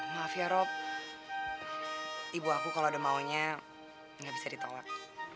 maaf ya rob ibu aku kalau ada maunya nggak bisa ditolak